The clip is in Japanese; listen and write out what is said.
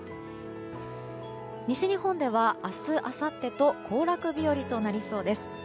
西日本では明日、あさってと行楽日和となりそうです。